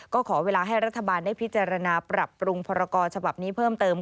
ก็ขอเวลาให้รัฐบาลได้พิจารณาปรับปรุงพรกรฉบับนี้เพิ่มเติม